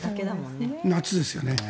夏ですよね。